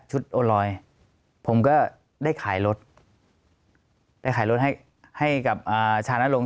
ชุดโอนลอยผมก็ได้ขายรถได้ขายรถให้กับชาณะลง